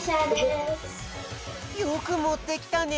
よくもってきたね。